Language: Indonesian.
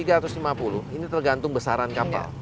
kalau lima ribu tiga ratus lima puluh meter ini tergantung besaran kapal